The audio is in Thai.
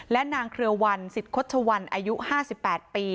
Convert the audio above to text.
และนางเคลือวัลสิทธิ์คดชวรรค์อายุ๕๘ปี